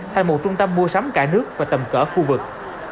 thành một trung tâm mua sắm cả nước và tầm cỡ khu vực